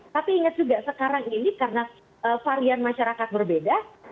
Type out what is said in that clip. tapi ingat juga sekarang ini karena varian masyarakat berbeda